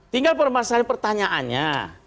tinggal permasalahan pertanyaannya